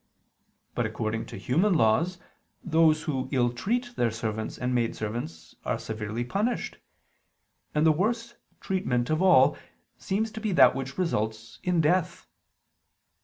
But according to human laws those who ill treat their servants and maidservants are severely punished: and the worse treatment of all seems to be that which results in death.